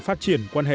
phát triển quan hệ